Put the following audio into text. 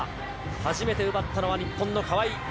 初めて奪ったのは日本の川井。